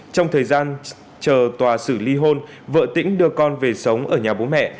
trong thời gian chờ tòa sử ly hôn vợ tĩnh đưa con về sống ở nhà bố mẹ